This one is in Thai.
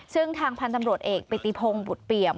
ซึ่งทางพันธ์ตำรวจเอกปิติพงศ์บุตรเปี่ยม